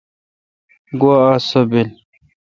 گوا آس سو بیل۔